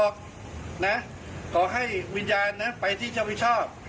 ขอให้วิญญาณนะไปที่เจ้าวิชอบ